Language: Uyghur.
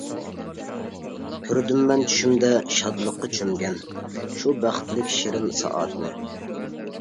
كۆردۈممەن چۈشۈمدە شادلىققا چۆمگەن، شۇ بەختلىك شېرىن سائەتنى.